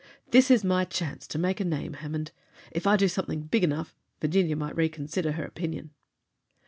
"This is my chance to make a name, Hammond. If I do something big enough Virginia might reconsider her opinion."